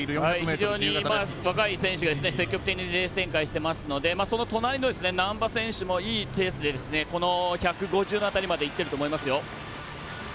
非常に若い選手が積極的にレース展開していますのでその隣の難波選手もいいペースで１５０の辺りまでいっていると思います。